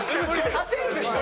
勝てるでしょ！